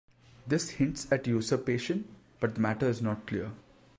This hints at a usurpation, but the matter is not clear.